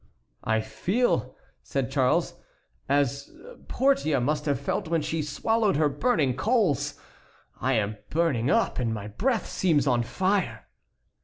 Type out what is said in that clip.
"I feel," said Charles, "as Portia must have felt when she swallowed her burning coals. I am burning up and my breath seems on fire."